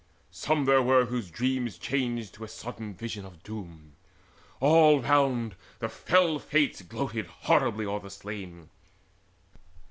Some there were whose dreams Changed to a sudden vision of doom. All round The fell Fates gloated horribly o'er the slain.